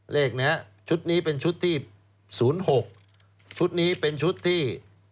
เลขนี้ชุดนี้เป็นชุดที่๐๖ชุดนี้เป็นชุดที่